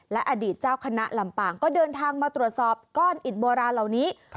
และอดีตเจ้าคณะลำปางก็เดินทางมาตรวจสอบก้อนอิดโบราณเหล่านี้